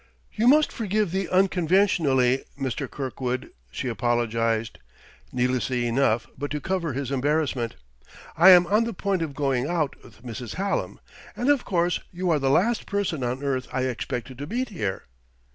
"You must forgive the unconventionally, Mr. Kirkwood," she apologized, needlessly enough, but to cover his embarrassment. "I am on the point of going out with Mrs. Hallam and of course you are the last person on earth I expected to meet here!"